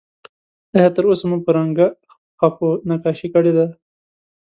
آیا تر اوسه مو په رنګه خپو نقاشي کړې ده؟